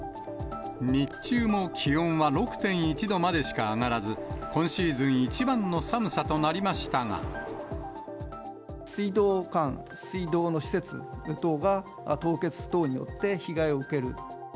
日中も気温は６．１度までしか上がらず、今シーズン一番の寒さと水道管、水道の施設等が凍結等によって被害を受ける。